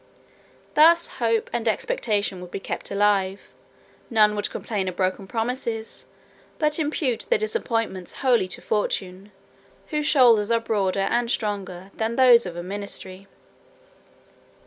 Thus, hope and expectation would be kept alive; none would complain of broken promises, but impute their disappointments wholly to fortune, whose shoulders are broader and stronger than those of a ministry.